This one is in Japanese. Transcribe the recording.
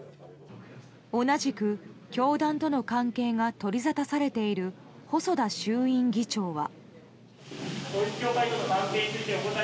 同じく教団との関係が取りざたされている細田衆院議長は。